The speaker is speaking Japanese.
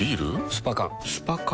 スパ缶スパ缶？